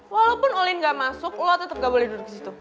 walaupun olin gak masuk lo tetep gak boleh duduk disitu